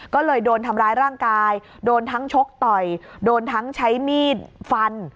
ก็เลยโดนทำร้ายร่างกายโดนทั้งชกต่อยโดนทั้งใช้มีดฟัน